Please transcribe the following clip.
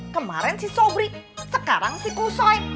kemaren si sobri sekarang si kusoy